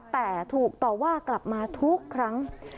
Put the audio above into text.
แต่ถูกต่อว่ากลับมาทุกครั้ง